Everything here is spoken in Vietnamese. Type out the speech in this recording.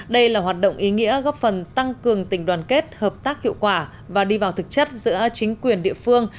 đây là hoạt động ý nghĩa góp phần tăng cường tình đoàn kết hợp tác hiệu quả và đi vào thực chất giữa chính quyền địa phương